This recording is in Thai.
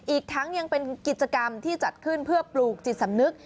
อีกทั้งยังเป็นกิจกรรมที่จัดขึ้นเพื่อปลูกจิตสำนึก